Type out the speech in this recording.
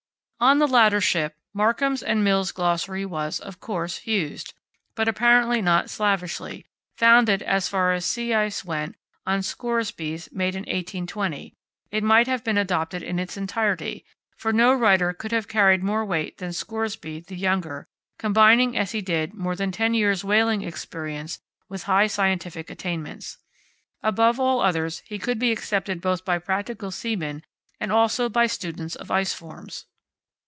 On the latter ship Markham's and Mill's glossary was, of course, used, but apparently not slavishly; founded, as far as sea ice went, on Scoresby's, made in 1820, it might well have been adopted in its entirety, for no writer could have carried more weight than Scoresby the younger, combining as he did more than ten years' whaling experience with high scientific attainments. Above all others he could be accepted both by practical seamen and also by students of ice forms.